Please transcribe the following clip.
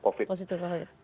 menyatakan positif covid